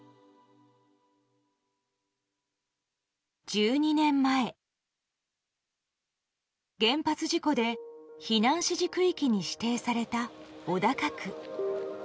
１２年前原発事故で避難指示区域に指定された小高区。